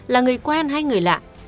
là người quen hay người lạ